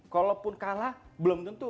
kalaupun kalah belum tentu